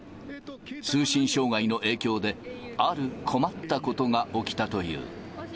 通信障害の影響で、ある困ったことが起きたという。